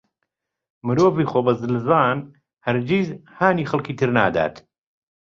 مرۆڤی خۆبەزلزان هەرگیز هانی خەڵکی تر نادات.